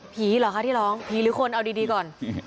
เหรอคะที่ร้องผีหรือคนเอาดีก่อน